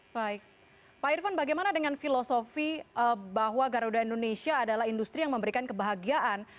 baik pak irvan bagaimana dengan filosofi bahwa garuda indonesia adalah industri yang memberikan kebahagiaan